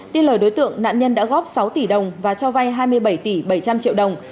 tin lời đối tượng nạn nhân đã góp sáu tỷ đồng và cho vay hai mươi bảy tỷ bảy trăm linh triệu đồng